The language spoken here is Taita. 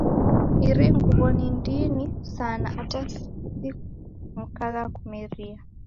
Iri nguw'o ni ndini sana ata simukagha kumeria